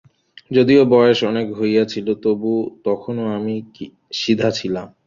যদিও বয়স অনেক হইয়াছিল তবু তখনো আমি সিধা ছিলাম।